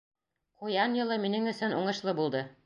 — Ҡуян йылы минең өсөн уңышлы булды.